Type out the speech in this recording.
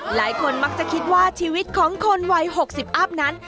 หลายคนมักจะคิดว่าชีวิตของคนวัย๖๐อัพนั้น